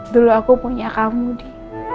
dulu aku punya kamu di